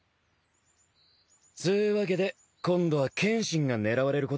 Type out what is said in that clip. つうわけで今度は剣心が狙われることになっちまってな。